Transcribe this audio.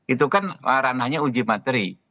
itu kan ranahnya uji materi